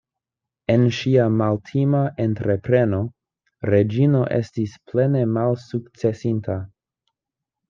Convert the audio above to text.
En ŝia maltima entrepreno Reĝino estis plene malsukcesinta.